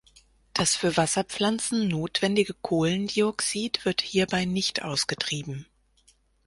Das für Wasserpflanzen notwendige Kohlendioxid wird hierbei nicht ausgetrieben.